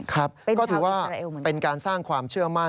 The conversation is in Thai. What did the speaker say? ครับก็ถือว่าเป็นการสร้างความเชื่อมั่น